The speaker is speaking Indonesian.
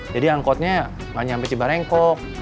jadi angkotnya gak nyampe cibarengkok